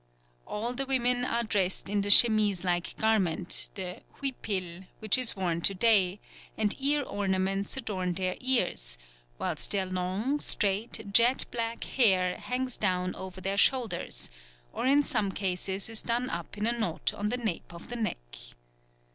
All the women are dressed in the chemise like garment, the huipil, which is worn to day, and ear ornaments adorn their ears; whilst their long, straight, jet black hair hangs down over their shoulders, or in some cases is done up in a knot on the nape of the neck.